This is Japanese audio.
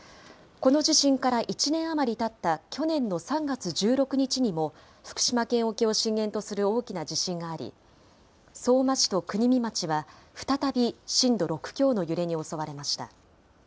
この地震から１年余りたった去年の３月１６日にも、福島県沖を震源とする大きな地震があり、相馬市と国見町は、再び震度６強の揺れに襲われました。